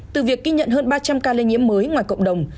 từ việc ghi nhận hơn ba trăm linh ca lây nhiễm mới ngoài cộng đồng